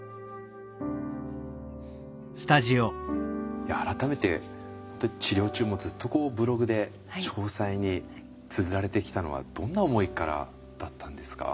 いや改めて治療中もずっとこうブログで詳細につづられてきたのはどんな思いからだったんですか？